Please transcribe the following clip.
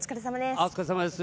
お疲れさまです。